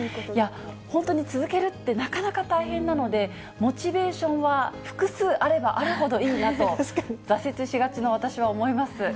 本当に続けるってなかなか大変なので、モチベーションは複数あればあるほどいいなと、挫折しがちの私は思います。